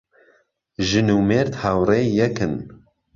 ژن و مێرد هاوڕێی یەکن